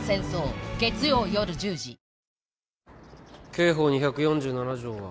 刑法２４７条は？